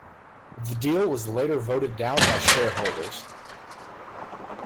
The deal was later voted down by shareholders.